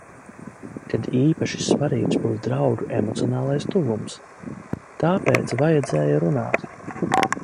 Kad īpaši svarīgs būs draugu emocionālais tuvums. Tāpēc vajadzēja runāt.